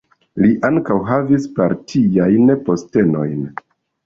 Li havis ankaŭ partiajn postenojn.